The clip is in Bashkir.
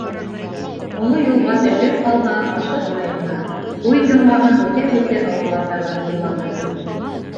Оло юлға төшөп алһа, ашыҡмай ғына, уй йомғағын һүтә-һүтә ауылға табан юлланыр.